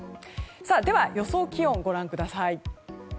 では予想気温、ご覧ください。